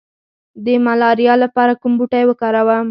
د ملاریا لپاره کوم بوټی وکاروم؟